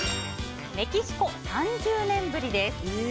メキシコ３０年ぶりです。